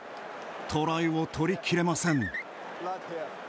トライを取りきれません。